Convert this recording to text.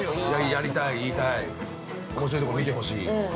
◆やりたい、言いたいおもしろいところ見てほしい。